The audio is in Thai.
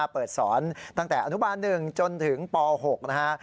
เปิดสอนตั้งแต่อนุบาล๑จนถึงป๖นะฮะ